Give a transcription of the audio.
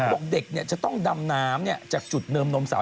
บอกเด็กจะต้องดำน้ำจากจุดเนินนมสาว